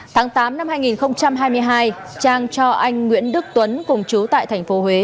tháng tám năm hai nghìn hai mươi hai trang cho anh nguyễn đức tuấn cùng chú tại tp huế